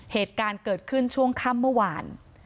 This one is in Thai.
เหตุการณ์เกิดขึ้นช่วงค่ำเมื่อวาน